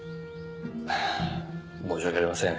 ああ申し訳ありません。